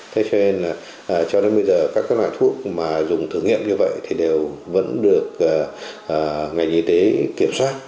thế cho nên là cho đến bây giờ các loại thuốc mà dùng thử nghiệm như vậy thì đều vẫn được ngành y tế kiểm soát